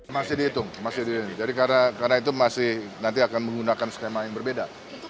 masih dihitung jadi karena itu nanti akan menggunakan skema yang berbeda